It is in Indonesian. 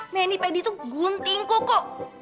menipedi itu gunting koko